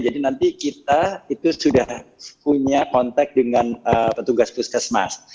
jadi nanti kita itu sudah punya kontak dengan petugas puskesmas